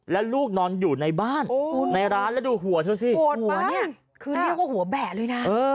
แล้วลูกนอนอยู่ในบ้านในร้านแล้วดูหัวเธอสิหัวเนี่ยคือเรียกว่าหัวแบะเลยนะ